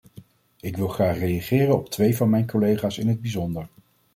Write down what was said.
Ik wil graag reageren op twee van mijn collega's in het bijzonder.